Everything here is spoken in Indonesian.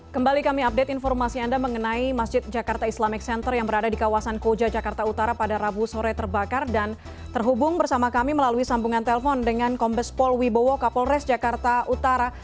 kembali kami update informasi anda mengenai masjid jakarta islamic center yang berada di kawasan koja jakarta utara pada rabu sore terbakar dan terhubung bersama kami melalui sambungan telpon dengan kombes pol wibowo kapolres jakarta utara